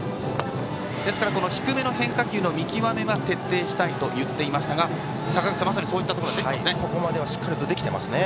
ですから低めの変化球の見極めは徹底したいと話していましたが坂口さん、まさにそういったところができていますね。